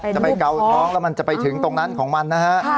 จะไปเกาท้องแล้วมันจะไปถึงตรงนั้นของมันนะฮะ